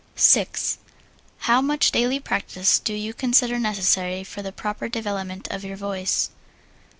6. How much daily practise do you consider necessary for the proper development of your voice?